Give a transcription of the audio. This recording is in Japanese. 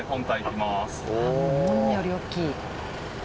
門より大きい。